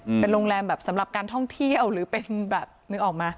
เป็นโรงแรมแบบสำหรับการท่องเที่ยวหรือเป็นแบบนึกออกมา